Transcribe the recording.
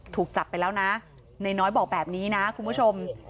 ถูกจับไปแล้วนะนายน้อยบอกแบบนี้นะคุณผู้ชม